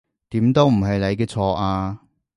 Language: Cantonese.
點都唔係你嘅錯呀